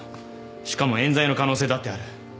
しかも冤罪の可能性だってある。